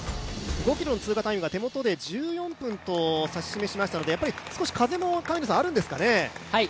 ５ｋｍの通過タイムは１４分と指し示したので少し風もあるんですかね。